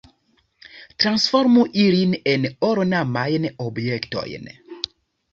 Transformu ilin en ornamajn objektojn!